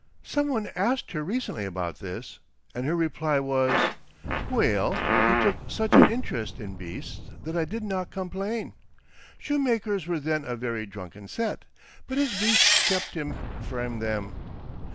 Some one asked her recently about this, and her reply was: "Weel, he took such an interest in beasts that I didna compleen. Shoemakers were then a very drucken set, but his beasts keepit him frae them.